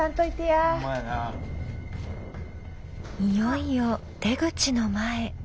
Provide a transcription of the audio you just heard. いよいよ出口の前。